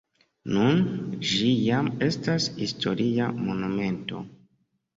Nun ĝi jam estas historia monumento.